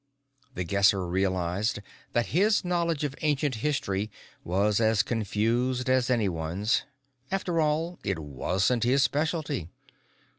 The Guesser realized that his knowledge of ancient history was as confused as anyone's; after all, it wasn't his specialty.